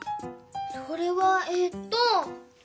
それはええっと。